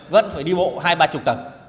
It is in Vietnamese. vẫn phải đi bộ hai ba chục tầng